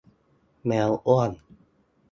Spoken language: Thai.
แมวอ้วน